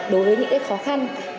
đối với những cái khó khăn